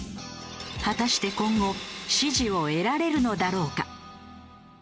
果たして今後支持を得られるのだろうか？